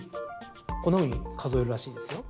このように数えるらしいですよ。